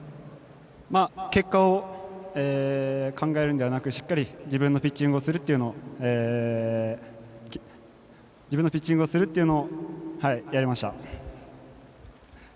結果を考えるのではなくしっかり自分のピッチングをするというのをやりました。